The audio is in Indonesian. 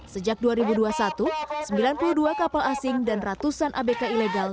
sejak dua ribu dua puluh satu sembilan puluh dua kapal asing dan ratusan abk ilegal